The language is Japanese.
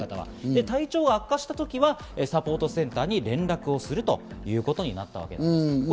体調が悪化した時はサポートセンターに連絡をするということになったわけです。